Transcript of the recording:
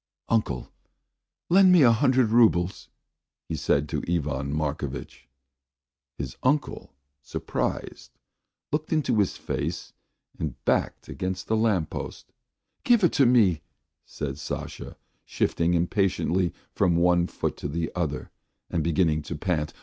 "Uncle, lend me a hundred roubles," he said to Ivan Markovitch. His uncle, surprised, looked into his face and backed against a lamp post. "Give it to me," said Sasha, shifting impatiently from one foot to the other and beginning to pant.